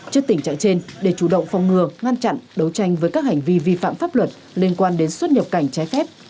trước tình trạng trên để chủ động phòng ngừa ngăn chặn đấu tranh với các hành vi vi phạm pháp luật liên quan đến xuất nhập cảnh trái phép